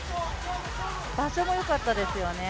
場所もよかったですよね。